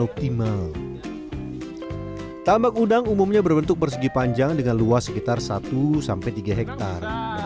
optimal tambak udang umumnya berbentuk bersegi panjang dengan luas sekitar satu tiga hektare